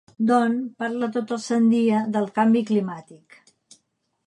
Don parla tot el sant dia del canvi climàtic.